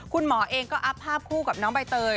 คุณหมอเองก็อัพภาพคู่กับน้องใบเตย